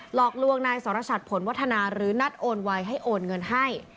หลอกลวงนายสรชัดผลวัฒนาหรือนัดโอนไวให้โอนเงินให้